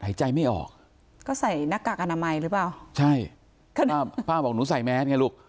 หายใจไม่ออกก็ใส่หน้ากากอนามัยหรือเปล่าใช่ขนาดป้าบอกหนูใส่แมสไงลูก